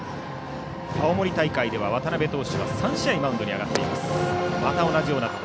青森大会では渡部投手は３試合マウンドに上がっています。